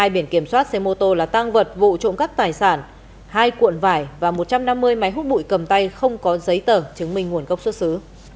hai biển kiểm soát xe mô tô là tăng vật vụ trộm cắp tài sản hai cuộn vải và một trăm năm mươi máy hút bụi cầm tay không có giấy tờ chứng minh nguồn gốc xuất xứ